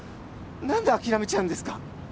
何で諦めちゃうんですか？